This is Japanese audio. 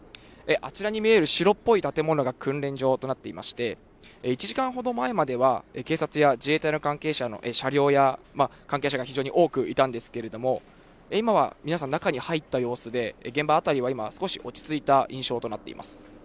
あちらに見える白っぽい建物が訓練場となっていまして、１時間ほど前までは、警察や自衛隊の関係者の車両や関係者が非常に多くいたんですけれども、今は皆さん、中に入った様子で、現場辺りは今、少し落ち着いた印象となっています。